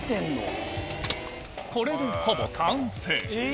これでほぼ完成